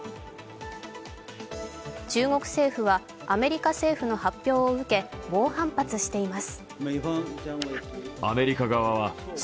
中国政府は、アメリカ政府の発表を受け猛反発しています。